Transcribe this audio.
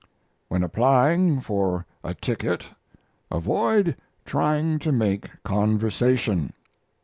When applying for a ticket avoid trying to make conversation.